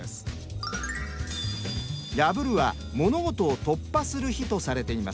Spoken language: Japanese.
「破」は物事を突破する日とされています。